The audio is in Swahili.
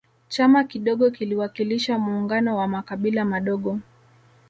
chama kidogo kiliwakilisha muungano wa makabila madogo